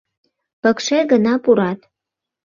Пыкше гына пурат...